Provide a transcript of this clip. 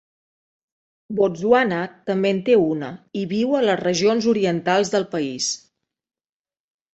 Botswana també en té una i viu a les regions orientals del país.